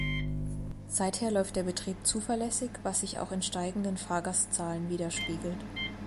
Seither läuft der Betrieb zuverlässig, was sich auch in steigenden Fahrgastzahlen widerspiegelt.